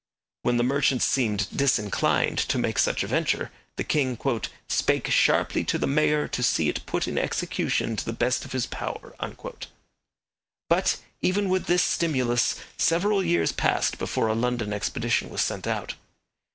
When the merchants seemed disinclined to make such a venture, the king 'spake sharply to the Mayor to see it put in execution to the best of his power.' But, even with this stimulus, several years passed before a London expedition was sent out.